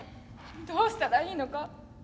どうしたらいいのか。